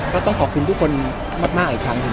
ก็ต้องขอบคุณทุกคนมากอีกครั้งหนึ่ง